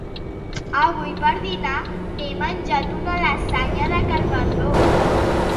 Avui per dinar m'he menjat una lasanya de carbassó